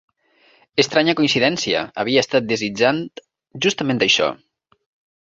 Estranya coincidència; havia estat desitjant justament això.